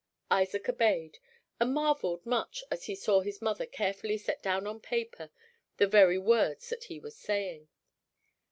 Isaac obeyed, and marveled much as he saw his mother carefully set down on paper the very words that he was saying.